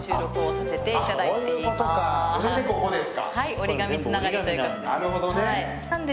折り紙つながりということで。